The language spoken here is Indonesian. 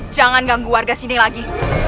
jangan ganggu warga sini lagi